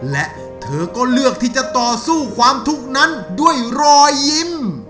และเธอก็เลือกที่จะต่อสู้ความทุกข์นั้นด้วยรอยยิ้ม